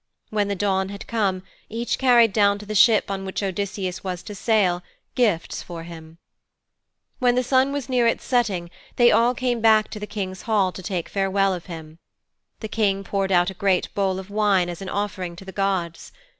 When the dawn had come, each carried down to the ship on which Odysseus was to sail, gifts for him. When the sun was near its setting they all came back to the King's hall to take farewell of him. The King poured out a great bowl of wine as an offering to the gods.